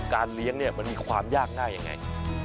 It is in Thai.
เลี้ยงเนี่ยมันมีความยากง่ายยังไง